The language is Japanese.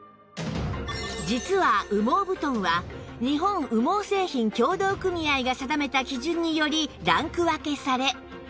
実は羽毛布団は日本羽毛製品協同組合が定めた基準によりランク分けされ